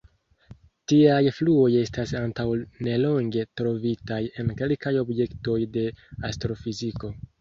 Tiaj fluoj estas antaŭnelonge trovitaj en kelkaj objektoj de astrofiziko.